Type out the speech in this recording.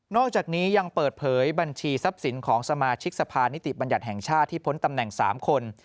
อกจากนี้ยังเปิดเผยบัญชีทรัพย์สินของสมาชิกสภานิติบัญญัติแห่งชาติที่พ้นตำแหน่ง๓คน